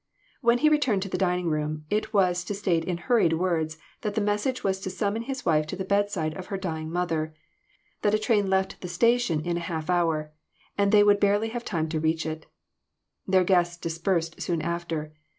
When he returned to the dining room, it was to state in hurried words that the message was to summon his wife to the bedside of her dying mother that a train left the station in a half hour, and they would barely have time to reach it. The guests dispersed soon after.